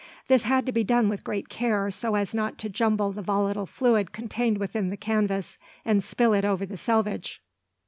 This had to be done with great care, so as not to jumble the volatile fluid contained within the canvas, and spill it over the selvage.